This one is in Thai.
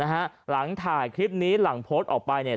หลังถ่ายคลิปนี้หลังโพสต์ออกไปเนี่ย